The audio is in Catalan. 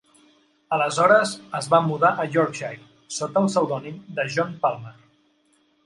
Aleshores es va mudar a Yorkshire sota el pseudònim de John Palmer.